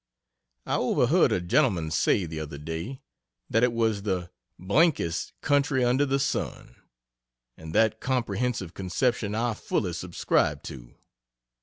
I overheard a gentleman say, the other day, that it was "the d dest country under the sun." and that comprehensive conception I fully subscribe to.